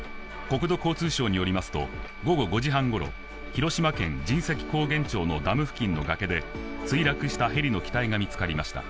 国土交通省によりますと、午後５時半ごろ、広島県神石高原町のダム付近の崖で墜落したヘリの機体が見つかりました。